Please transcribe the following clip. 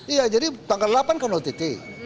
iya jadi tanggal delapan kan ott